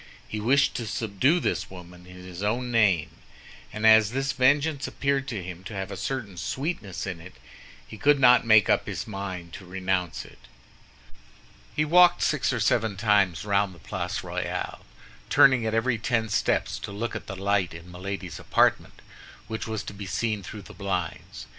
He wished to subdue this woman in his own name; and as this vengeance appeared to him to have a certain sweetness in it, he could not make up his mind to renounce it. He walked six or seven times round the Place Royale, turning at every ten steps to look at the light in Milady's apartment, which was to be seen through the blinds.